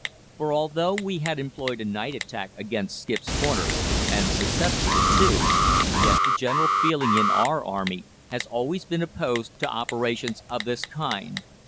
For although we had employed a night attack against Skip's Corner, and successfully too, yet the general feeling in our Army has always been opposed to operations of this kind.